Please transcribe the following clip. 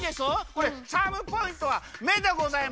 これチャームポイントは「め」でございます。